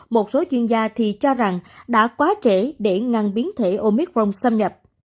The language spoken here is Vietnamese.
một số chuyên gia thì cho rằng đã quá trễ để ngăn biến thể omicron xâm nhập